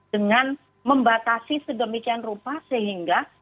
dengan membatasi sedemikian rupa sehingga